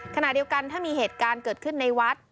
ขณะเดียวกันถ้ามีเหตุการณ์เกิดขึ้นในวัด